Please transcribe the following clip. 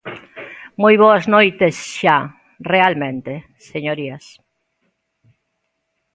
Moi boas noites xa, realmente, señorías.